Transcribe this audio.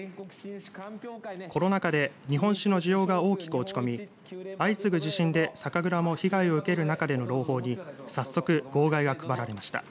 コロナ禍で日本酒の需要が大きく落ち込み相次ぐ地震で酒蔵も被害を受ける中での朗報に早速、号外が配られました。